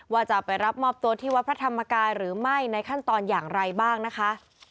ว่าจะไปรับมอบตัวที่วัดพระธรรมกายหรือไม่ในขั้นตอนอย่างไรบ้างนะคะ